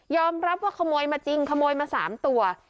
รับว่าขโมยมาจริงขโมยมา๓ตัว